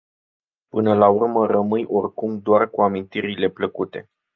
Până la urmă rămâi oricum doar cu amintirile plăcute.